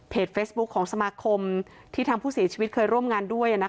เฟซบุ๊คของสมาคมที่ทางผู้เสียชีวิตเคยร่วมงานด้วย